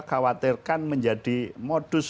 khawatirkan menjadi modus